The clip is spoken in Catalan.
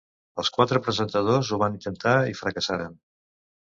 Els quatre presentadors ho van intentar i fracassaren.